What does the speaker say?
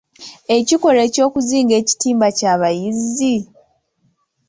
Ekikolwa eky'okuzinga ekitimba ky'abayizzi?